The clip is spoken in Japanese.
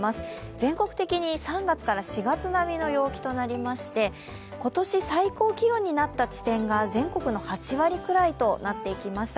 全国的に３月から４月並みの陽気となりまして今年最高気温になった地点が全国の８割ぐらいとなっていきました。